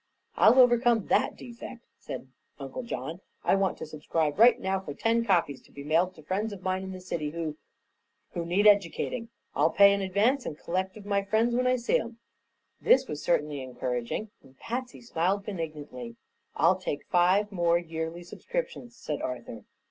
"I'll overcome that defect," said Uncle John. "I want to subscribe right now for ten copies, to be mailed to friends of mine in the city who who need educating. I'll pay in advance and collect of my friends when I see 'em." This was certainly encouraging and Patsy smiled benignantly. "I'll take five more yearly subscriptions," said Arthur.